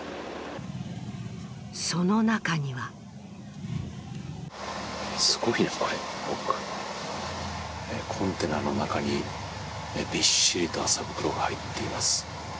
その中にはすごいな、これ、コンテナの中にびっしりと麻袋が入っています。